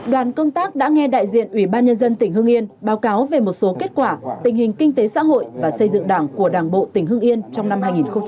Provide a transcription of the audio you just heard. đoàn công tác đã nghe đại diện ủy ban nhân dân tỉnh hương yên báo cáo về một số kết quả tình hình kinh tế xã hội và xây dựng đảng của đảng bộ tỉnh hưng yên trong năm hai nghìn một mươi chín